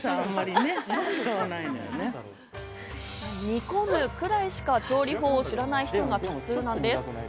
煮込むくらいしか調理法を知らない人が多数なんです。